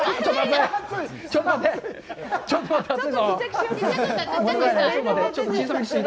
ちょっと待って。